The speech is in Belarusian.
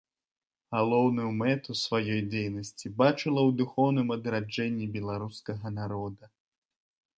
Галоўную мэту сваёй дзейнасці бачыла ў духоўным адраджэнні беларускага народа.